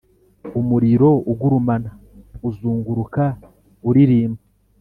umuriro ugurumana uzunguruka uririmba,